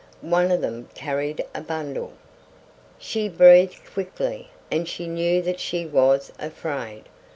One of them carried a bundle. She breathed quickly, and she knew that she was afraid.